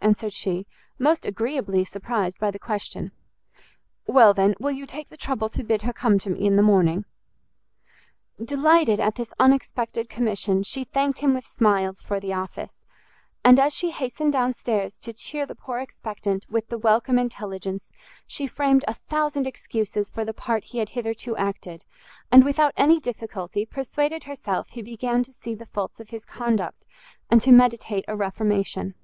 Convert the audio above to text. answered she, most agreeably surprised by the question. "Well, then, will you take the trouble to bid her come to me in the morning?" Delighted at this unexpected commission, she thanked him with smiles for the office; and as she hastened down stairs to chear the poor expectant with the welcome intelligence, she framed a thousand excuses for the part he had hitherto acted, and without any difficulty, persuaded herself he began to see the faults of his conduct, and to meditate a reformation.